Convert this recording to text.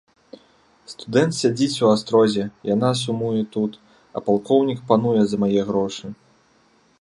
Студэнт сядзіць у астрозе, яна сумуе тут, а палкоўнік пануе за мае грошы.